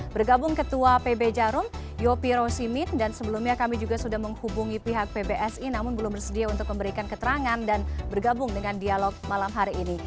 bergabung ketua pb jarum yopi rosimit dan sebelumnya kami juga sudah menghubungi pihak pbsi namun belum bersedia untuk memberikan keterangan dan bergabung dengan dialog malam hari ini